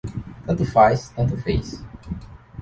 Tanto faz, tanto fez.